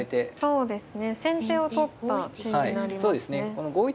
そうですね。